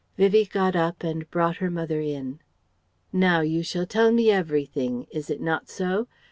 Vivie got up and brought her mother in. "Now you shall tell me everything is it not so?